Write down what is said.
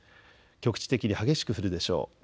局地的に激しく降るでしょう。